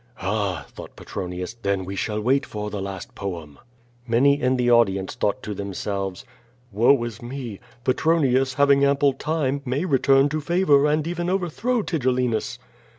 '' "Ah!' thought Petronius, "then we shall wait for the last poem." Many in the audience thought to themselves: *^oe is me! Petronius, having ample time, may return to favor and even overthrow Tigellinus."